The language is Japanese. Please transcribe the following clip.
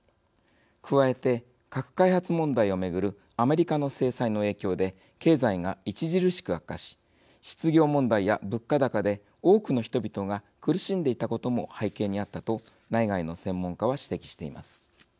加えて、核開発問題を巡るアメリカの制裁の影響で経済が著しく悪化し失業問題や物価高で多くの人々が苦しんでいたことも背景にあったと内外の専門家は指摘しています。